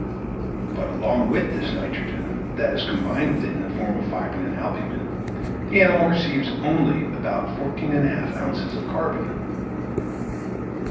But along with this nitrogen, that is, combined with it in the form of fibrine or albumen, the animal receives only about 14 1/2 oz. of carbon.